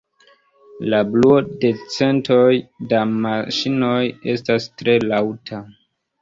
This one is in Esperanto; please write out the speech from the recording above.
La bruo de centoj da maŝinoj estas tre laŭta.